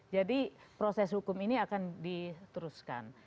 jadi proses hukum ini akan diteruskan